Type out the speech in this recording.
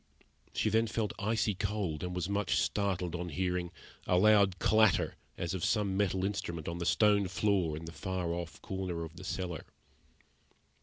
She then felt icy cold, and was much startled on hearing a loud clatter as of some metal instrument on the stone floor in the far off corner of the cellar.